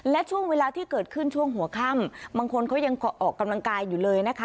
และช่วงเวลาที่เกิดขึ้นช่วงหัวค่ำบางคนเขายังออกกำลังกายอยู่เลยนะคะ